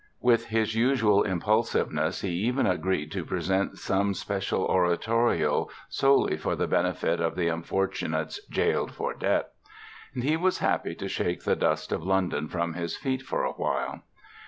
With his usual impulsiveness he even agreed to present "some special oratorio" solely for the benefit of the unfortunates jailed for debt. And he was happy to shake the dust of London from his feet for a while.